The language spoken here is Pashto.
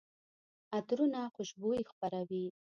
عطرونه خوشبويي خپروي.